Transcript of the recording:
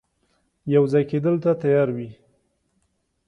یو ځای کېدلو ته تیار وي.